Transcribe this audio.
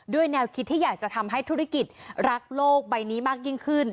แนวคิดที่อยากจะทำให้ธุรกิจรักโลกใบนี้มากยิ่งขึ้น